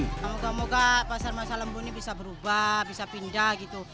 semoga moga pasar masa lembu ini bisa berubah bisa pindah gitu